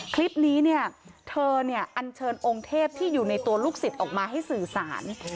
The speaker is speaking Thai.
คลิปนี้เนี่ยเธอเนี่ยอันเชิญองค์เทพที่อยู่ในตัวลูกศิษย์ออกมาให้สื่อสาร